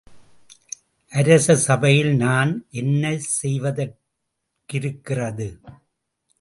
அரச சபையில் நான் என்ன செய்வதற்கிருக்கிறது?